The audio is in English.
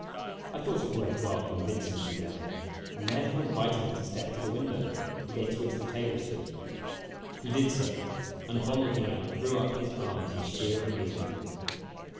I thought it worth while to convince him of his error, and there fore invited him to step to the window, against which the table stood. He did so, and, upon looking out, threw up his arms in sheer amazement.